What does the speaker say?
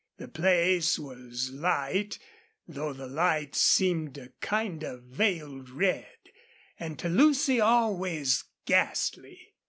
The place was light, though the light seemed a kind of veiled red, and to Lucy always ghastly.